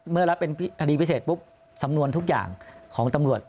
เมื่อรับเป็นคดีพิเศษปุ๊บสำนวนทุกอย่างของตำรวจ